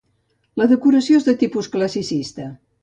La decoració és de tipus classicista.